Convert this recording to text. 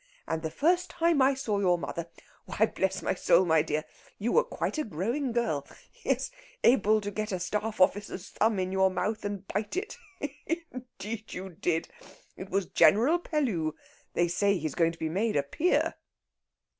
And the first time I saw your mother why, bless my soul, my dear! you were quite a growing girl yes, able to get a staff officer's thumb in your mouth, and bite it. Indeed, you did! It was General Pellew; they say he's going to be made a peer."